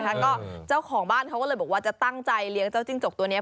ก็เจ้าของบ้านเขาก็เลยบอกว่าจะตั้งใจเลี้ยงเจ้าจิ้งจกตัวนี้